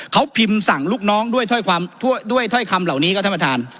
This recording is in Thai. เขาพิมพ์สั่งลูกน้องด้วยท่อยคำเหล่านี้ก็ท่านมาทาน